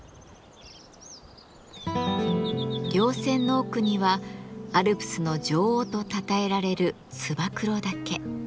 稜線の奥にはアルプスの女王とたたえられる燕岳。